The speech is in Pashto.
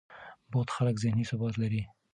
بوخت خلک ذهني ثبات لري.